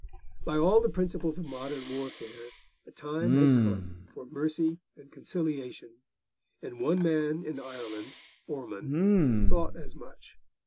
By all the principles of modern warfare, the time had come for mercy and conciliation, and one man in Ireland, Ormond, thought as much.